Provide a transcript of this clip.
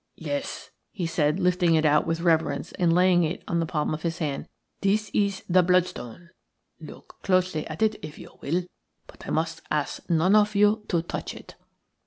"Yes," he said, lifting it out with reverence and laying it on the palm of his hand, "this is the bloodstone. Look closely at it if you will, but I must ask none of you to touch it."